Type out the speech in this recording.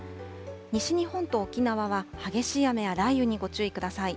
西日本と沖縄は激しい雨や雷雨にご注意ください。